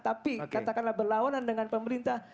tapi katakanlah berlawanan dengan pemerintah